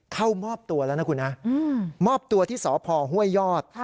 เข้ามอบตัวแล้วนะคุณนะมอบตัวที่สพห้วยยอด